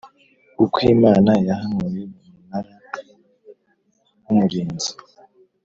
Ukw Imana yahanuye Umunara w Umurinzi